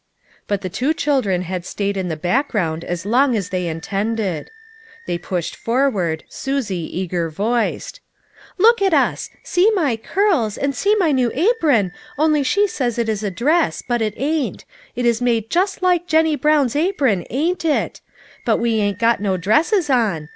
But the two children had stayed in the back ground as long as they intended. They pushed forward, Susie eager voiced :" Look at us ! Tee my curls, and see my new apron, only she says it is a dress, but it ain't ; it is made just like Jennie Brown's apron, ain't it? But we ain't got no dresses on.